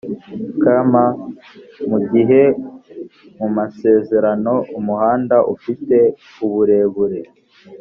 km mu gihe mu masezerano umuhanda ufite uburebure